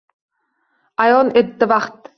Ayon etdi vaqt —